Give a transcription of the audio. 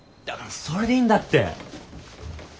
だからそれでいいんだって。